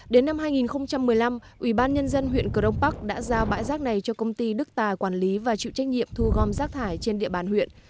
đến năm hai nghìn một mươi năm ubnd huyện cờ đông bắc đã giao bãi rác này cho công ty đức tài quản lý và chịu trách nhiệm thu gom rác thải trên địa bàn huyện